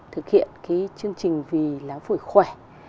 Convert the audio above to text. thực hiện cái chương trình vì láo phủy khỏe